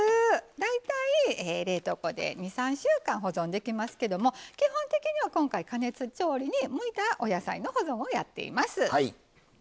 大体、冷凍庫で２３週間保存できますけど基本的には、今回加熱調理に向いたお野菜の保存をやっています。